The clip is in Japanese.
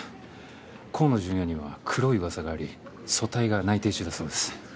河野純也には黒い噂があり組対が内偵中だそうです。